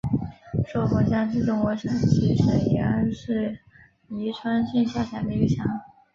寿峰乡是中国陕西省延安市宜川县下辖的一个乡。